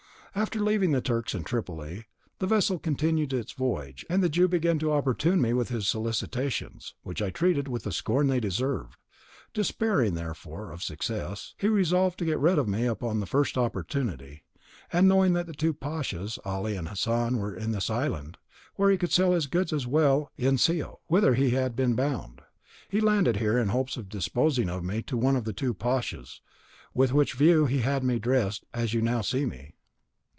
"After leaving the Turks in Tripoli, the vessel continued its voyage, and the Jew began to importune me with his solicitations, which I treated with the scorn they deserved. Despairing, therefore, of success, he resolved to get rid of me upon the first opportunity; and knowing that the two pashas, Ali and Hassan, were in this island, where he could sell his goods as well as in Scio, whither he had been bound, he landed here in hopes of disposing of me to one of the two pashas, with which view he had me dressed as you now see me.